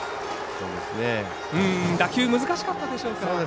打球、難しかったでしょうか。